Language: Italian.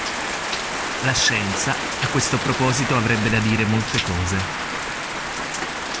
La scienza, a questo proposito avrebbe da dire molte cose.